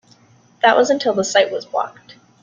That was until the site was blocked.